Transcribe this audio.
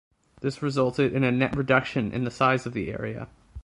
This resulted in a net reduction in the size of the area.